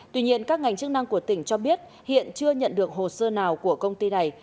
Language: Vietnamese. tuy nhiên các ngành chức năng của tỉnh cho biết hiện chưa nhận được hồ sơ nào của công ty này